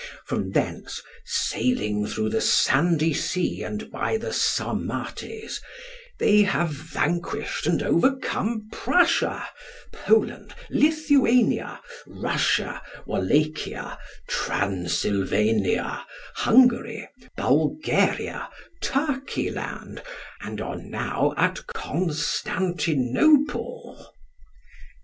From thence sailing through the sandy sea and by the Sarmates, they have vanquished and overcome Prussia, Poland, Lithuania, Russia, Wallachia, Transylvania, Hungary, Bulgaria, Turkeyland, and are now at Constantinople.